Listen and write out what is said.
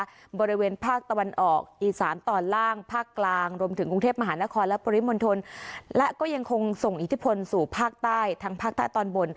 บริเวณภาคตะวันออกอีสานตอนล่างภาคกลางรวมถึงกรุงเทพมหานครและปริมณฑลและก็ยังคงส่งอิทธิพลสู่ภาคใต้ทั้งภาคใต้ตอนบน